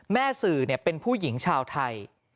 สื่อเป็นผู้หญิงชาวไทย